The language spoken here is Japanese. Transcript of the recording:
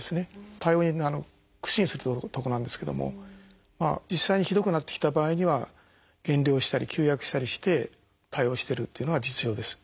対応に苦心するとこなんですけども実際にひどくなってきた場合には減量したり休薬したりして対応してるっていうのが実情です。